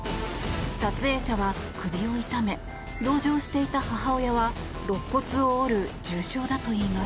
撮影者は首を痛め同乗していた母親はろっ骨を折る重傷だといいます。